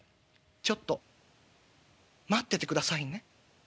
ちょっと待っててくださいね」。